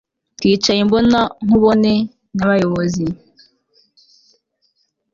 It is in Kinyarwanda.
Twicaye imbonankubone nabayobozi